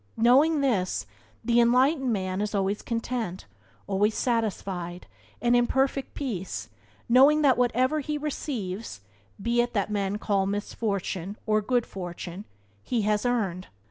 Knowing this, the enlightened man is always content, always satisfied, and in perfect peace, knowing that whatever he receives (be it that men call misfortune or good fortune) he has earned.